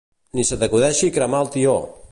Ni se t'acudeixi cremar el tió!